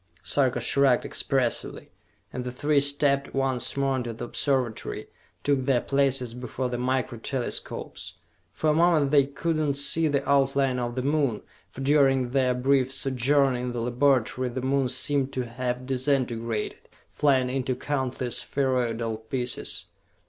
Sarka shrugged expressively, and the three stepped once more into the Observatory, took their places before the Micro Telescopes. For a moment they could not see the outline of the Moon, for during their brief sojourn in the laboratory the Moon seemed to have disintegrated, flying into countless spheroidal pieces.